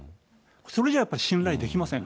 それじゃやっぱり、信頼できません。